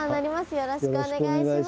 よろしくお願いします。